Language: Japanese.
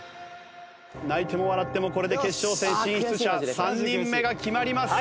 泣いても笑ってもこれで決勝戦進出者３人目が決まります。